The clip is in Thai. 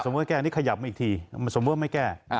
สมมุติว่าแก้นี่ขยับมาอีกทีสมมุติว่าไม่แก้